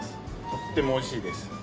とってもおいしいです。